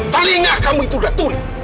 telinga kamu itu udah tulis